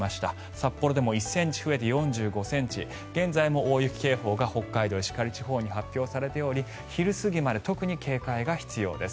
札幌でも１ｃｍ増えて４５ｃｍ現在も大雪警報が北海道石狩地方に発表されており昼過ぎまで特に警戒が必要です。